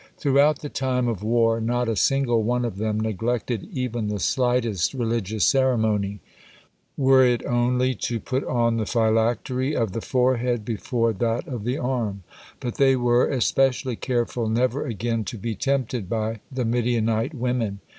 Throughout the time of war not a single one of them neglected even the slightest religious ceremony, were it only to put on the phylactery of the forehead before that of the arm. But they were especially careful never again to be tempted by the Midianite women.